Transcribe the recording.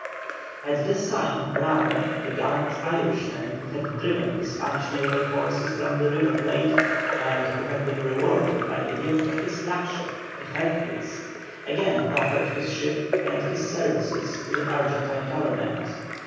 At this time Brown, the gallant Irishman who had driven the Spanish naval forces from the River Plate, and had been rewarded by the gift of his flagship, the Hercules, again offered his ship and his services to the Argentine Government.